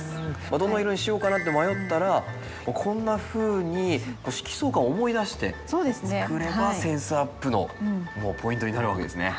どの色にしようかなって迷ったらこんなふうに色相環を思い出して作ればセンスアップのポイントになるわけですね。